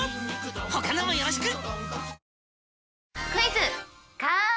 他のもよろしく！